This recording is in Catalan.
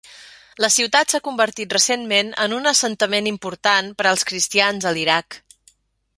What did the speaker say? La ciutat s'ha convertit recentment en un assentament important per als cristians a l'Iraq.